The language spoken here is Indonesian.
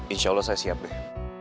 insya allah saya siap deh